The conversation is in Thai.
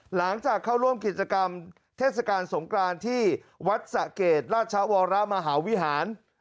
หลังจากเข้าร่วมกิจกรรมเทศกาลสงกรานที่วัดสะเกดราชวรมหาวิหาร